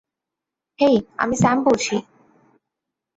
হেই, আমি স্যাম বলছি!